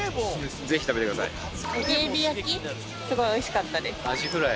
すごいおいしかったです。